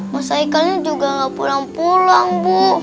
mas haikal ini juga gak pulang pulang bu